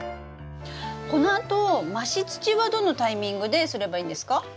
このあと増し土はどのタイミングですればいいんですか？